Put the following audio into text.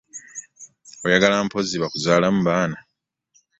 Oyagala mpozzi bakuzaalamu baana.